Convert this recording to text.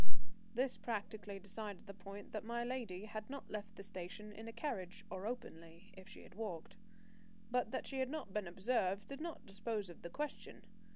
This practically decided the point that my lady had not left the station in a carriage or openly, if she had walked. But that she had not been observed did not dispose of the question.